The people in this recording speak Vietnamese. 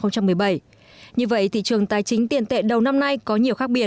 như vậy thị trường tài chính tiền tệ đầu năm nay có nhiều khác biệt